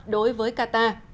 đối với qatar